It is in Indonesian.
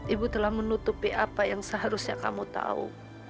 ibu telah menutupi apa yang seharusnya kamu tahu